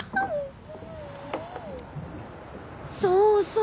そうそう！